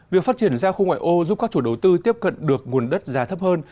việc phát triển ra khu ngoại ô giúp các chủ đầu tư tiếp cận được nguồn đất giá thấp hơn